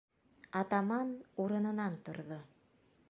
Атаман урынынан торҙо.